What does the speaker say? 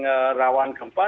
eh rawan gempa